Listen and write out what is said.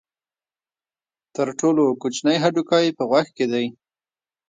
تر ټولو کوچنی هډوکی په غوږ کې دی.